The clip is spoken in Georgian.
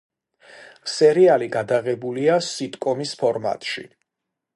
სერიალი გადაღებულია სიტკომის ფორმატში.